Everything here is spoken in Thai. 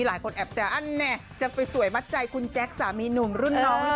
หลายคนแอบแซวอันแน่จะไปสวยมัดใจคุณแจ๊คสามีหนุ่มรุ่นน้องหรือเปล่า